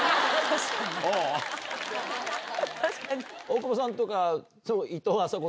大久保さんとか。